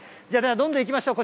どんどんいきましょう。